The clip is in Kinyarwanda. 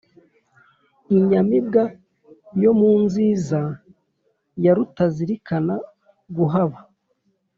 inyamibwa yo mu nziza, ya rutazilikana guhaba,